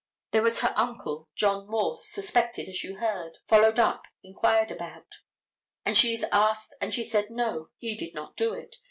There was her uncle, John Morse, suspected as you heard, followed up, inquired about, and she is asked and she said, no, he did not do it.